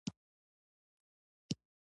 • د شیدو څښل د غاښونو لپاره ګټور دي.